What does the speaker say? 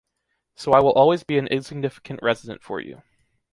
So I will always be an insignificant resident for you!